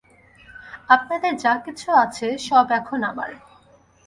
আপনাদের যা কিছু আছে সব এখন আমার।